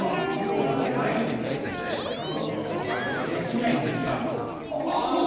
毎日稽古でバイトができない時期があったんですよ。